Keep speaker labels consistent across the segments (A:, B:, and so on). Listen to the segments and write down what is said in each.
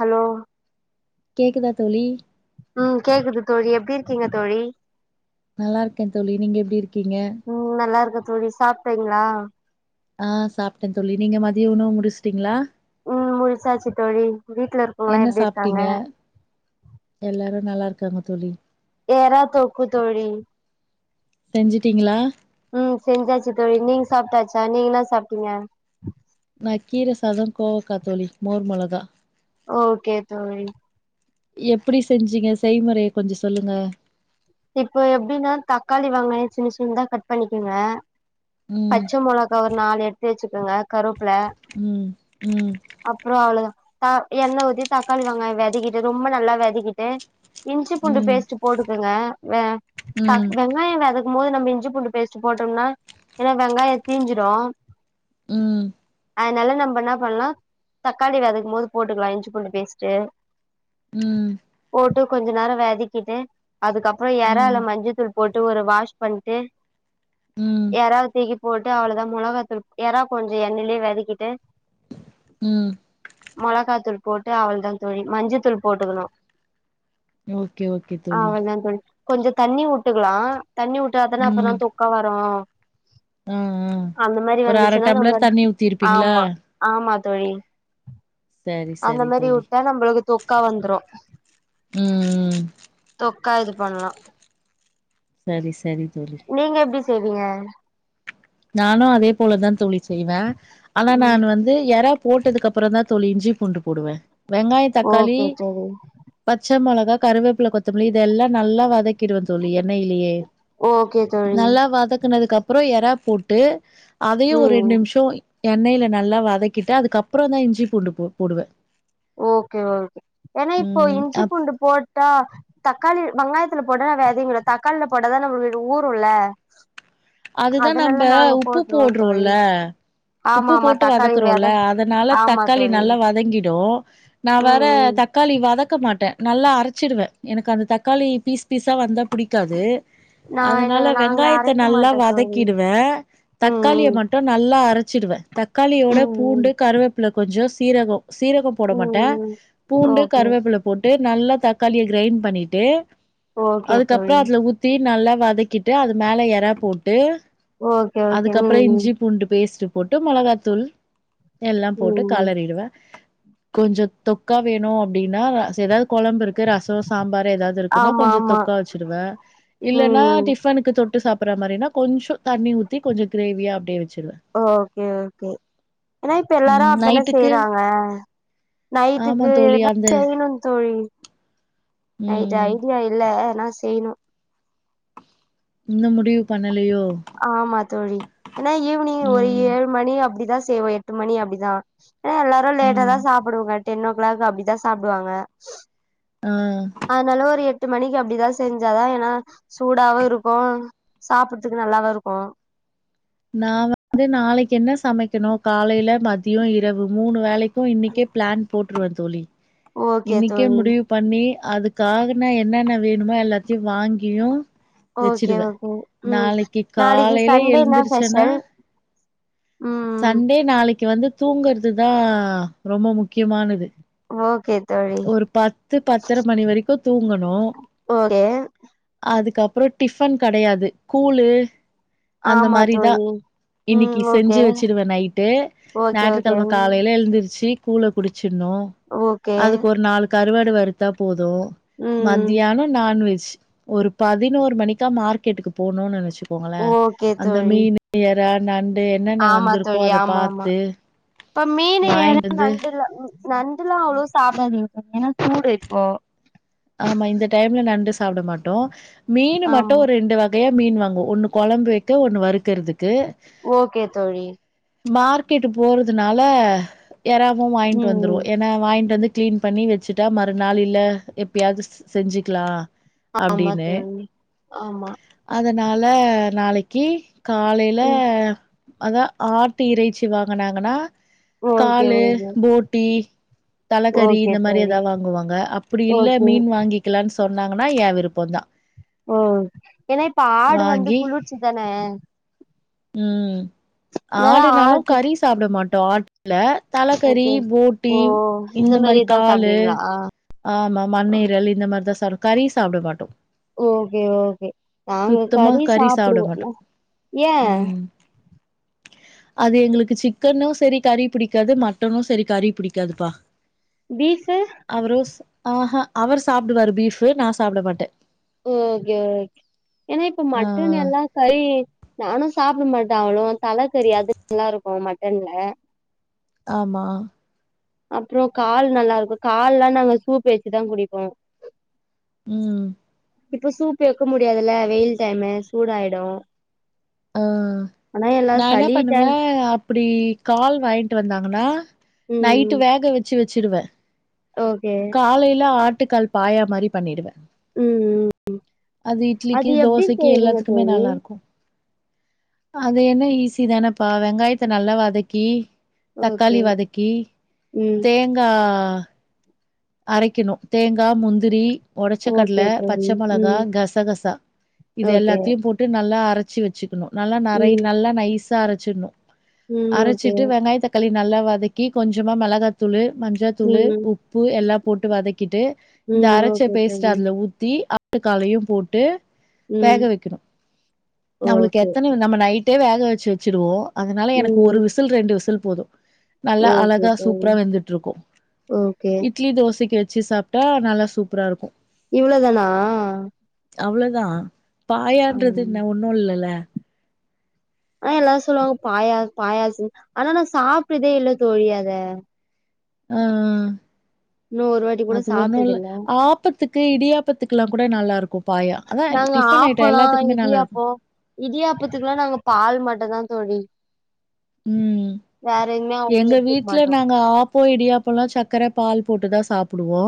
A: Hello
B: கேக்குதா தோழி
A: உம் கேக்குது தோழி எப்டி இருக்கீங்க தோழி
B: நல்லா இருக்கே தோழி நீங்க எப்டி இருக்
A: ம் நல்லாருக்க தோழி சாப்ட்டீங்களா
B: ஆ சாப்பிட்டே தோழி நீங்க மதிய உணவு முடிச்டீங்ளா
A: ம் முடிச்சாச்சி தோழி வீட்டுல இருக்கவங்களா
B: என்ன
A: எப்டி இருக்காங்க
B: நல்லாருக்காங்க தோழி
A: எற தொக்கு தோழி
B: செஞ்சுட்டீங்களா
A: ம் செஞ்சாச்சு தோழி நீங்க சாப்ட்டாச்சா நீங்க என்ன சாப்ட்டீங்க
B: நா கீரை சாதோ கோவக தோழி மோர் மொளகா
A: ஓகே தோழி
B: எப்டி செஞ்சீங்க செய்முறைய கொஞ்சோ சொல்லுங்க
A: இப்ப எப்டின்னா தக்காளி வெங்காய சின்ன சின்னதா கட் பண்ணிக்கங்க
B: ம்
A: பச்ச மொளகா ஒரு நாலு எடுத்து வச்சு கங்க கருவப்ல
B: ம் ம்
A: அப்பறோ அவ்ளோதா த எண்ண ஊத்தி தக் தக்காளி வெங்காயோ விதக்கிட்டு ரொம்ப நல்லா விதக்கிட்டு இஞ்சி பூண்டு
B: ம்
A: பேஸ்ட் போட்டுக்குங்க வெ தக்
B: ம்
A: வெங்காய வதக்கு போது நம்ம இஞ்சி பூண்டு பேஸ்ட் போட்டோம்னா ஏனா வெங்காயோ தீஞ்சிடு
B: ம்
A: அதனால நம்ம என்ன பண்ணலா தக்காளி வதக்கு போது போட்டுக்கலா இஞ்சி பூண்டு பேஸ்ட்டு
B: ம்
A: போட்டு கொஞ்ச நேரோ வெதக்கிட்டு அதுக்கப் றோ
B: ம்
A: எறால்லு மஞ்ச தூள் போட் போட்டு ஒரு வாஷ் பண்ட்டு
B: ம்
A: யராவ தூக்கி போட்டு அவ்ளோதா மொளகா தூள் எறா கொஞ்சம் எண்ணெயலயே வதக்கிட்டு
B: ம்
A: மொளகா தூள் போட்டு அவளதா தோழி மஞ்ச தூள் போட்டுக்கணு
B: ஓகே ஓகே தோழி
A: அவ்ளதா தோழி கொஞ்சோ தண்ணி உட்டுக்கலா தண்ணி உட்டறாதானே அப்பதா
B: ம்
A: தொக்கா வரோ
B: ஆ ஆ
A: அந்த மாரி
B: ஒரு அர
A: வந்துச்சுன்னா நம்ம
B: டம்ளர் தண்ணி ஊத்திருப்பீங்களா
A: ஆமா ஆமா தோழி
B: சரி
A: அந்த
B: சரி
A: மாரி
B: தோழி
A: விட்டா நம்ளுக்கு தொக்கா வந்துரோ
B: ம் ம்
A: தொக்கா இது பண்ணலா
B: சரி சரி தோழி
A: நீங்க எப்டி செய்வீங்க
B: நானும் அதே போலதா தோழி செய்வேன் ஆனா
A: ம்
B: நான் வந்து எறா போட்டதுக்கு அப்புறம் தான் தோழி இஞ்சி பூண்டு போடுவேன் வெங்காய தக்காளி
A: ஓகே தோழி
B: பச்ச மொளக கருவேப்பில கொத்தமல்லி இதெல்லாம் நல்லா வதக்கிடுவ தோழி என்னைளியே
A: ஓகே தோழி
B: எறக்கனது அப்பறம் எறா போட்டு அதையும் ஒரு ரெண்டு
A: ம்
B: நிமிஷம் எண்ணெயில நல்லா வதக்கிட்டு அதுக்கப்பறம் தான் இஞ்சி பூண்டு போடுவேன்
A: ஓகே ஓகே ஏன்னா இப்போ இஞ்சி
B: அப்
A: பூண்டு போட்டா தக்காளி வெங்காயத்துல போடா வெதங்கிடு தக்காளில போட்டாதான் ஊருல
B: அதுதான் நம்ப உப்பு
A: தோழி
B: போடுறோல
A: ஆமா
B: உப்பு
A: ஆமா
B: போட்டு
A: தக்காளி
B: வதக்குறோம்ல
A: வெத
B: அதனால
A: ஆமா
B: தக்காளி
A: தோழி
B: நல்லா வதங்கிடும் நான்
A: ம்
B: வேற
A: ம்
B: தக்காளி வதக்க மாட்டே நல்லா அரைச்சிடுவேன் எனக்கு அந்த தக்காளி பீஸ் பீஸா வந்தா பிடிக்காது
A: நா என்ன
B: அதனால
A: நாங்க
B: வெங்காயத்த
A: அரைக்க
B: நல்லா
A: மாட்டோ தோழி
B: வதக்கிடுவேன் தக்காளிய
A: ம்
B: மட்டும் நல்லா அரைச்சிடுவேன்
A: ம்
B: தக்காளியோட பூண்டு
A: ம்
B: கருவேப்பில கொஞ்சோ சீரகோ சீரகம் போட
A: ம்
B: மாட்டேன்
A: ம்
B: பூண்டு
A: ஓகே
B: கருவேப்பில போட்டு நல்லா தக்காளிய கிரைண்ட் பண்ணிட்டு
A: ஓகே தோழி
B: அதுக்கப்புறம் அதுல ஊத்தி நல்லா வதக்கிட்டு அது மேலே எறா போட் ஏ
A: ஓகே ஓகே ம்
B: அதுக்கப்புறம்
A: ம்
B: இஞ்சி பூண்டு பேஸ்ட்டு போட்டு மளகாத்தூள் எல்லாம் போட்டு
A: ம் ம்
B: கலறிடுவேன் கொஞ்சம் தொக்கா வேணும் அப்படின்னா ஏதாவது குழம்பு இருக்கு ரசம் சாம்பார் ஏதாவது இருக்குன்னா
A: ஆமா
B: கொஞ்சம்
A: ஆமா
B: தொக்கா வச்சுடுவேன் இல்லைன்னா
A: ம்
B: டிஃபனுக்கு தொட்டு சாப்ப அப்புற மரினா கொஞ்சம் தண்ணி ஊத்தி கொஞ்சம் கிரேவியா அப்படியே வச்சு
A: ஓகே ஓகே ஏன்னா இப்ப
B: ம்
A: எல்லாரும் அப்படிதான
B: நைட்டுக்கு
A: செய்யறாங்க
B: ஆமா
A: நைட்டுக்கு
B: தோழி
A: எதுனா
B: அந்த
A: செய்யணும் தோழி நைட்டு
B: ம்
A: ஐடியா இல்ல னா செய்யணும்
B: இன்னும் முடிவு பண்ண
A: ஆமா தோழி ஏன்னா ஈவினிங் ஒரு
B: ம்
A: ஏழு மணி அப்படிதான் செய்வோம் எட்டு மணி அப்படிதான் எல்லாரும் லேட்டா
B: ம்
A: தான் சாப்படுங்க டென் ஓ கிளாக் அப்படிதான் சாப்பிடுவாங்க
B: ஆ
A: ஆதனால ஒரு எட்டு எட்டு மணிக்கு அப்படிதான் செஞ்சாதான் ஏன்னா சூடாவும் இருக்கும் சாப்படுறதுக்கு நல்லாவும் இருக்கும்
B: நான் வந்து நாளைக்கு என்ன சமைக்கணும் காலையில மதியம் இரவு மூணு வேலைக் இன்னைக்கே பிளான் போட்ருவன் தோழி
A: ஓகே
B: இன்னைக்கே
A: தோழி
B: முடிவு பண்ணி அதுக் காகனா என்னென்ன வேணுமோ எல்லாத்தையும் வாங்கியும்
A: ஓகே
B: வச்சுடுவேன்.
A: ஓகே உம் நாளைக்கு சண்டேனா
B: ன
A: ஸ்பெஷல் ம்
B: சண்டே நாளைக்கு இ வந்து தூங்குறது தான் ரொம்ப முக்கியமானது
A: ஓகே தோழி
B: ஒரு பத்து பத்தரை மணி வரைக்கு தூங்கணு
A: ஓகே
B: அதுக்கப் அப்புறம் டிஃபன் கிடையாது கூழு அந்த
A: ஆமா தோழி
B: மாரிதான்
A: ம்
B: இன்னைக்கு
A: ஓகே
B: செஞ்சு வச்சடுவேன் நைட்டு
A: ஓகே ஓகே
B: ஞாயிற்றுக்கிழமை
A: ம்
B: காலையில எழுந்தருச்சு பூள குடிச்சி ம்
A: ஓகே
B: அதுக்கு ஒரு நாளு கருவாட் வறுத்தா போது
A: ம்
B: மத்தியானம் நான்வெஜ் ஒரு பதினோர் மணிக்கா மார்க்கெட்டுக்கு போனூன் நெனச்சிட் போங்களே
A: ஓகே
B: அந்த
A: தோழி
B: மீனு எறா நண்
A: ஆமா தோழி ஆமாமா இப்ப மீனு எறா
B: வாங்கிட்டு வந்து
A: நண்டுல நண்டுலா அவளோவ் சாப்டாதிங்கா ஏனா சூடு இப்போ
B: ஆமா இந்த டைம்ல நண்டு சாப்ட மாட்டோ மீனு மட்டு
A: ஆமா
B: ஒரெண்டு வகையா மீன் வாங்கோ ஒன்னு கொழம்பு வைக்க ஒன்னு வறுக்கறதுக்
A: ஓகே தோழி
B: மார்க்கெட்டு போறதுனால எறாவு வாங்ட்டு
A: ம்
B: வந்ருவோ
A: ம்
B: ஏனா வாங்ட்டு வந்து க்ளீன் பண்ணி வச்சிட்டா மறுநாள் இல்ல எப்யாதுஸ் செஞ்சுக்லா
A: ஆமா தோழி ஆமா
B: னால நாளைக்கி காலைல
A: ம்
B: அதா ஆட்டு இறைச்சி வாங்குனாங்கனா
A: ஓகே
B: காலு
A: ஓகே
B: போட்டி தலக்கறி
A: ஓகே
B: இந்த மாரி
A: தோழி
B: எதா வாங்குவாங்க அப் அப்டி இல்ல
A: ஓகே
B: மீன் வாங்கிக்லான் சொன்னாங்கனா ஏ விருப்போந்தா
A: ஓ ஏனா இப்ப ஆடு வந்து
B: வாங்கி
A: குளுர்ச்சி தானே
B: உம்
A: அதனால
B: ஆடுனாலு
A: ஆட்டு
B: கறி சாப்ட மாட் டாட் ல தலக்கறி
A: ஓகே
B: போட்டி
A: ஓ
B: இந்த மாரி
A: மாரிதா
B: காலு
A: சாப்டுவீங்களா
B: ஆமா மண்ணீரல் இந்த மாரிதா சடு கறி சாப்டமாட்டோ
A: ஓகே ஓகே நாங்க
B: சுத்தமா
A: கறி
B: சாப்ட
A: சாப்டுவோ
B: மாட்டோம்.
A: ந ஏ
B: ம். அது எங்ளுக்கு சிக்கனு சரி கறி புடிக்காது மட்டனு சரி கறி புடிக்காதுப்பா
A: பீஃப்பு
B: ஆஹா அவரு சாப்டுவாரு பீஃப்பு நா சாப்ட மாட்டே
A: ஓகே ஓகே ஏனா இப்ப
B: ஆ
A: மட்டன் எல்லா கறி நானு சாப்ட மாட் ட அவளுவ் தல கறி அது நல்லாருக்கு மட்டன்ல
B: ஆமா
A: அப்ரோ கால் நல்லா இருக்கு கால்லா நாங்க சூப் வச்சுதா குடிப்போ
B: உம்
A: இப்ப சூப்பு வைக்க முடியாதுல்ல வெயில் டைம் சூடாயிடு
B: ஆஹ்
A: ஆனா எல்லா
B: நா என்ன
A: சளி
B: பண்ணுவே
A: டைம்
B: அப்டி கால் வாங் ட்டு வந்தாங்கனா
A: ம்
B: நைட்டு வேக வச்சு வச் சிறுவ
A: ஓகே
B: காலையில ஆட் ட்டுக்கால் பாய மாரி பண்ணிடுவே
A: ம் ம்
B: அது இட்லிக்கு
A: எப்டி
B: தோசைக்கு
A: செய்வீங்க
B: எல்லாத்துக்குமே
A: தோழி
B: நல்லா இருக்கு அது என்ன ஈஸி தானேப்பா வெங்காயத்த நல்லா வதக்கி தக்காளி
A: ஓகே
B: வதக்கி
A: ம்
B: தேங்கா வ அரைக்கணு தேங்கா முந்திரி உடச்ச கடல
A: ஓகே
B: பச்ச
A: தோழி
B: மொளகா
A: ம்
B: கசகசா இது
A: ஓகே
B: எல்லாத்தையு போட்டு நல்லா அரை வச்சு வச்சக்கணு நல்லா நறை
A: ம்
B: நல்லா நைஸ் ப அரைச்சுடனும்
A: ம் ஓகே
B: அரைச்சிட்டு வெங்காய தக் களி நல்லா வதக்கி கொஞ்சமா மிளகாத்தூளு மஞ்ச தூளு
A: ம்
B: உப் எல்லா போட்டு வதக்கி கிட்டு இந்த
A: ம்
B: அரைச்ச
A: ஓகே
B: பேஸ்ட
A: தோழி
B: அதுல ஊத்தி [unintelligible] போட்டு
A: ம்
B: வேக வைக்கணு நம்மளுக்கு
A: ஓகே
B: எத்தன நம்ம நைட் வேக வச்சு வச்சுடுவோ அதனால எனக்கு ஒரு
A: ம்
B: விசில் ரெண்டு விசில் போது நல்லா
A: ஓகே
B: அழகா
A: தோழி
B: சூப்பரா வெந்துட்டுருக்கு
A: ஓகே
B: இட்லி தோசைக்கு வச்சு சாப்பிட்டா நல்லா சூப்பரா இருக்கு
A: இவ்ளோ தானா
B: அவ்ளோதா பாயான்றது என்ன ஒன்னு இல்லல்ல
A: ஆனா எல்லாரு சொல்லுவாங்க பாயா பாயாசு ஆனா நான் சாப்பிடுதே இல்ல தோழி அத
B: ஆஹ்ஹ
A: இன்னு ஒரு வாட்டி கூட
B: அது ஒண்ணு
A: சாப்ட்டது
B: இல்ல ஆப்பத் த்துக்கு இடியாப்பத்துக்குல்லாங் கூட நல்லா இருக்கு பாயா அதா
A: நாங்க
B: டிஃபன் ஐட்டோ
A: ஆப்பலா
B: எல்லாத்துக்குமே நல்லா இருக்கு
A: இடியாப்போ இடிாப்பத்துக்குல்லா நாங்க பால் மட்டுந்தா தோழி
B: உம்
A: வேற எதுமே அவ்ளோ
B: எங்க
A: எடுத்துக்க
B: வீட்ல
A: மாட்டோ
B: நாங்க ஆப் பொ இடியப்பொல்லா சக்கர பால் போட்டுதா சாப் டுவோ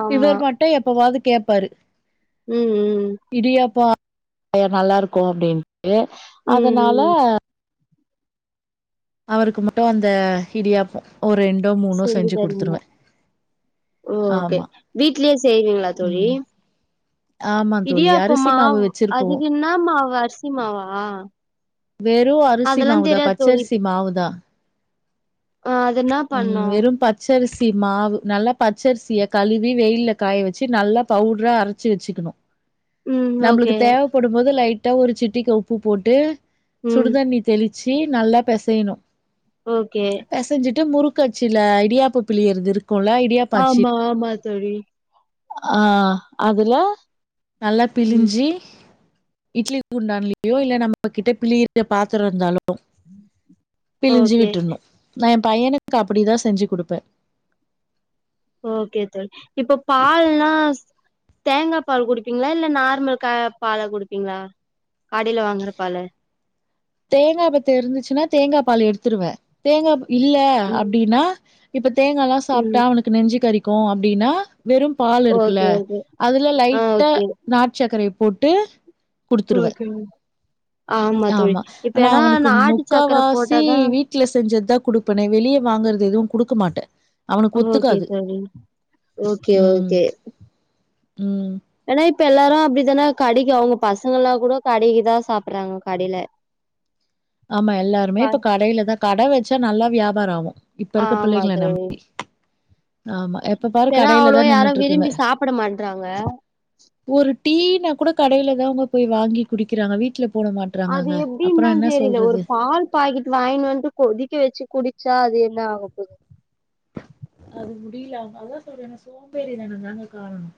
A: ஆமா
B: இவர் மட்டு எப்போவாது கேப்பாரு
A: ம் ம்
B: இடியாப்பொ நல்லா இருக்கு அப்டின் னு
A: ம்
B: அதனால
A: ம்
B: அவருக்கு மட்டு அந்த இடியாப்பொ ஒரு ரெண்டோ மூணோ செஞ்சு குடுத்துருவ
A: ஓ ஓகே வீட்லயே செய்வீங்ளா தோழி
B: ம் ஆமா தோழி
A: இடியாப்ப
B: அரிசி மாவு
A: மாவ்
B: வச்சிருப்போ
A: அதுக்கென்னா மாவு அரிசி மாவா
B: வெறு அரிசி
A: அதெல்லா
B: மாவுதா
A: தெரியாது தோழி
B: பச்சரிசி மாவுதா
A: ஆ அது என்னா
B: உம்
A: பண்ணு
B: வெறும் பச்சரி சி மாவு நல்லா பச்சரிசிய கழுவி வெயில்ல காய வெச்சி நல்லா பவுட்ரா அரச்சி வெச்சிக்கணு
A: ம் ஓகே
B: நம்மளுக்கு தேவப்படும் போது லைட் டா ஒரு சிட்டிக உப்பு போட்டு
A: ம்
B: சுடுதண்ணி தெளி சி நல்லா பெசயணு
A: ஓகே
B: முருக்கு அச்சுல இடியாப்ப பிளியரது இருக்
A: ஆமா ஆமா தோழி
B: ஆ அதுல நல்லா
A: ம்
B: பிழிஞ்சி இட்லி குண்டான்லையோ இல்ல நம்மகிட்ட பிழியிர பாத்ரொ இருந்தாலு பிழிஞ்சி
A: ஓகே
B: விட்ருணு நா ஏ பையனுக்கு அப்டிதா செஞ்சி குடுப்பே
A: ஓகே தோழி இப்ப பால்லா தேங்காப் பால் குடுப்பீங்களா இல்ல நார்மல் க பால குடுப்பீங்களா கடயில வாங்குற பாலு
B: தேங்கா பத்த இருந்துச்சுன்னா தேங்கா பால் எடுத்துருவ தேங்கா இல்ல
A: ம்
B: அப்டின்னா தேங்காலாம் சாப்பிட்டா
A: ம்
B: அவனுக்கு நெஞ்சு கறிக்கு கோ அப்படின்னா வெறும் பால் இருக்குல
A: ஓகே ஓகே
B: அதுல
A: ஆ
B: லைட்டா
A: ஓகே
B: நாட்டு சக்கரை போட்டு குடுத்துருவே
A: [unintelligible] ஆமா தோழி இப்ப
B: ஆனா
A: ஏன்னா
B: அவனுக்கு
A: நாட்டு
B: முக்கா
A: சக்கர
B: வாசி
A: போட்டாதா
B: வீட்டுல செஞ்சது தான் குடுப்பேனே வெளியே வாங்க வேற எதுவும் குடுக்க மாட்டேன்
A: ஓகே சரி ஓகே ஓகே
B: உம்ஹ்
A: ஏன்னா இப்ப எல்லாரும் அப்படித்தானே கடைக்கும் அவங்க பசங்கல்லாம் கூட கடைக்குதான் சாப்பிறாங்க கடையில
B: ஆமா எல்லாருமே இப்ப கடைல தா கட வச்சா நல்லா வியாபாரொ ஆவு இப்ப இருக்க பிள்ளைங்கள நம்பி
A: ஏனா அவ்ளோ யாரு விரும்பி சாப்புட மாட்றாங்க
B: ஒரு டீனா கூட கடைல தா அவுங்க போய் வாங்கி குடிக்கிறாங்க வீட்ல போட மாட்றாங்கங்க அப்பறோ என்ன
A: ரில ஒரு
B: சொல்றது?
A: பால் பாக்கெட் வாங்கினு வந்து கொதிக்க வச்சு குடி ச்சா அது என்ன ஆக போது
B: அது முடியில அதனாலதா சொல்றேன் சோம்பேறிதனதாங்க காரணொ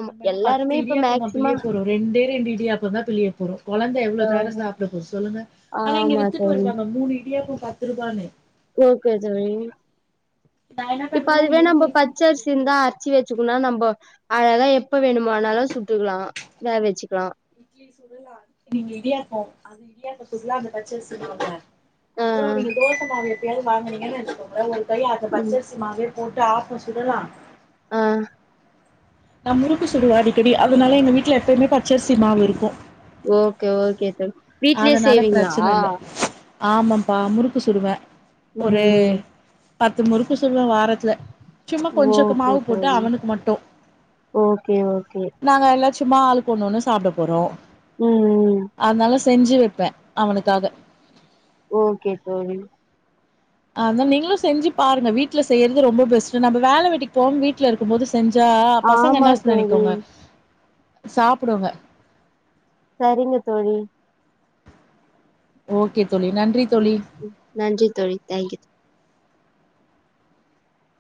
A: ஆமா
B: நம்மென்ன பத்து
A: எல்லாருமே இப்ப
B: இடியாப்பமா பிழிய
A: மேக்சிமம்
B: போறோ ரெண்டே ரெண்டு இடியாப் பந்தா பிழிய போறோ கொழந்த எவ்ளோ
A: ஆ
B: தாங்க சாப்டபோது சொல்லுங்க ஆனா இங்க
A: ஆமா
B: வித்துட்டு
A: தோழி
B: வருவாங்க மூணு இடியாப்பம் பத்துருபானு
A: ஓகே தோழி
B: நான் என்ன
A: இப்ப
B: பண்ணுவேன்
A: அதுவே
B: எங்க வீட்ல
A: நம்ப
B: இட்லி தட்டு
A: பச்சரிசி
B: இருக்குதா?
A: இந்தா அர்ச்சு வச்சுப் னா நம்ப அததா எப்ப வேணுமானாலு சுட்டுக்குலா வே வச்சுக்லா
B: இட்லி சுடலா நீங்க இடியாப்போ அது இடியாப்பொ சுட்லா அந்த பச்சரிசி மாவுல
A: ஆ ஆ
B: அப்றோ நீங்க தோச மாவு எப் பயாது வாங்குனீங்கன் வச்சுக்கோங்ளெ ஒரு தரியா அந்த
A: ம்
B: பச்சருசி மாவே போட்டு ஆப்பொ சுடலா
A: ஆஹ்
B: நா முறுக்கு சுடுவ அடிக்கடி அதனால எங்க வீட்ல எப்பய்மே பச்சரிசி மாவு இருக்கு
A: ஓகே ஓகே தோழி வீட்லயே செய்வீங்ளா
B: ஆமம்பா முறுக்கு சுடுவே ஒரு
A: ம் ம்
B: பத்து முறுக்கு சுட்லா வா ரத்ல சும்மா கொஞ்ச க
A: ஓகே
B: மாவு போட்டு
A: தோழி
B: அவனுக்கு மட்டு
A: ஓகே ஓகே
B: நாங்க எல்லாத் சும்மா ஆளுக்கொன்னொன்னு சாப்ட போறோ
A: ம் ம்
B: அத்னால செஞ்சு வப்பே அவனுக்காக
A: ஓகே தோழி
B: அதா நீங்ளு செஞ்சு பாருங்க வீட்ல செய்யறது ரொம்ப பெஸ்ட்டு நம்ப வேல வெட்டிக் போவாம் வீட்லருக்கும் போது செஞ்சா பசங்க
A: ஆமா
B: என்னாஸ்
A: தோழி
B: நெனைக்குங்க சாப்புடுங்க
A: சரிங்க தோழி
B: ஓகே தோழி நன்றி தோழி
A: ம் நன்றி தோழி தேங்க்யூ